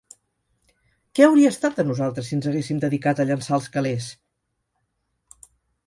Què hauria estat de nosaltres si ens haguéssim dedicat a llençar els calés?